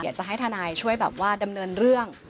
อยากจะให้ทนายช่วยแบบว่าดำเนินเรื่อง